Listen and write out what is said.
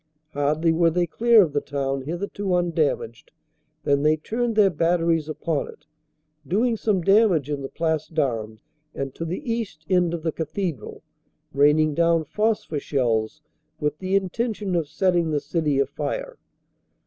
Hardly were they clear of the town, hitherto undamaged, than they turned their batteries upon it, doing some damage in the Place d Armes and to the east end of the cathedral, raining down phosphor shells with the intention of setting the city afire.